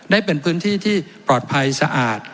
ได้เป็นพื้นที่ที่ปลอดภัยสะอาด